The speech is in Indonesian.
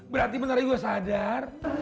berarti beneran gue sadar